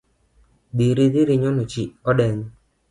Dhiri dhirinyono chi odeny